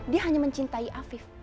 dia hanya mencintai afif